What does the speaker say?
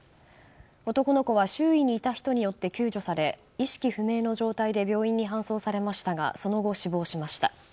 男の子は周囲にいた人によって救助され意識不明の状態で病院に搬送されましたがその後、死亡しました。